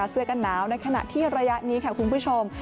เสื้อกันหนาวในขณะที่ระยะนี้ค่ะคุณผู้ชม